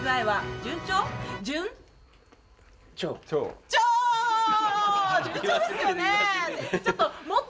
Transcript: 順調ですよね。